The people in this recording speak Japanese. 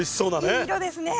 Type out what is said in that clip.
いい色ですね。